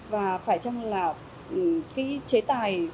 và phải chăng là cái chế tài